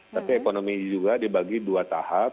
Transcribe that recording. tapi ekonomi juga dibagi dua tahap